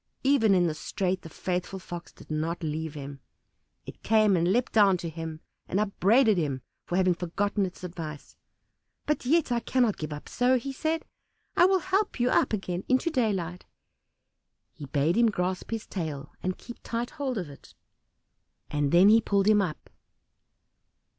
Even in this strait the faithful Fox did not leave him: it came and leapt down to him, and upbraided him for having forgotten its advice. "But yet I cannot give it up so," he said; "I will help you up again into daylight." He bade him grasp his tail and keep tight hold of it; and then he pulled him up.